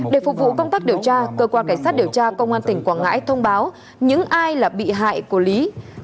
để phục vụ công tác điều tra cơ quan cảnh sát điều tra công an tỉnh quảng ngãi thông báo những ai là bị hại của lý